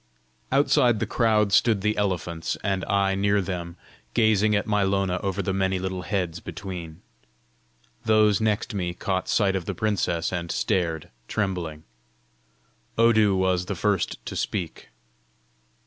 Outside the crowd stood the elephants, and I near them, gazing at my Lona over the many little heads between. Those next me caught sight of the princess, and stared trembling. Odu was the first to speak.